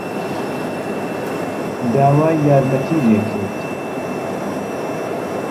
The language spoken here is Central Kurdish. داوای یارمەتیی لێ کرد.